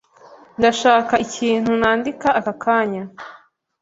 Ndashaka ikintu nandika aka kanya.